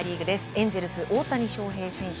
エンゼルス、大谷翔平選手。